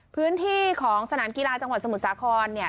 พื้นที่ของสนามกีฬาจังหวัดสมุทรสาครเนี่ย